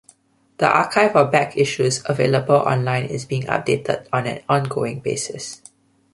The archive of back-issues available on line is being updated on an ongoing basis.